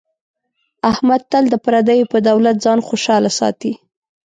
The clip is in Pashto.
احمد تل د پردیو په دولت ځان خوشحاله ساتي.